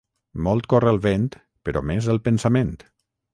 Molt corre el vent, però més el pensament.